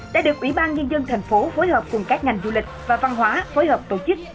đã được ủy ban nhân dân thành phố phối hợp cùng các ngành du lịch và văn hóa phối hợp tổ chức